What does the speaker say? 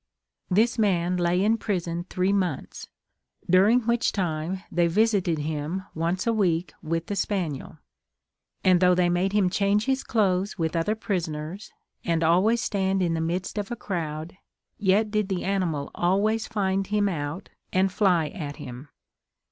This man lay in prison three months, during which time they visited him once a week with the spaniel, and though they made him change his clothes with other prisoners, and always stand in the midst of a crowd, yet did the animal always find him out, and fly at him.